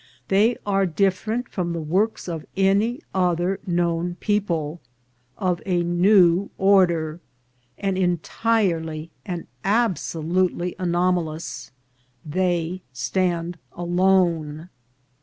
They are different from the works of any other known people, of a new order, and entirely and absolutely anomalous : they stand alone.